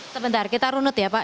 sebentar kita runut ya pak